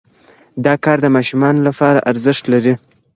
دا کار د ماشومانو لپاره ارزښت لري.